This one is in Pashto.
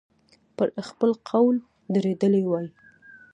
پر خپل قول درېدلی وای.